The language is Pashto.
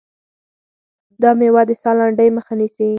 دا مېوه د ساه لنډۍ مخه نیسي.